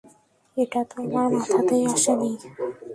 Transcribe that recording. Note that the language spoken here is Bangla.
এটা তো আমার মাথাতেই আসে নি।